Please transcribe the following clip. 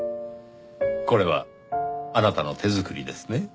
これはあなたの手作りですね？